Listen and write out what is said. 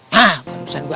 hah kanusan gue